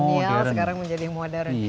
yang kolonial sekarang menjadi modern